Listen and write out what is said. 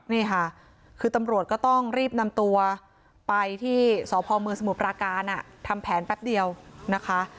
นี่ค่ะคือตำรวจก็ต้องรีบนำตัวไปที่สพเมืองสมุทรปราการทำแผนแป๊บเดียวนะคะ